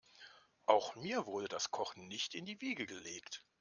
Auch mir wurde das Kochen nicht in die Wiege gelegt.